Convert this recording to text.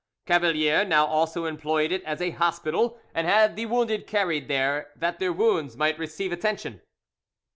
Cavalier now also employed it as a hospital, and had the wounded carried there, that their wounds might receive attention.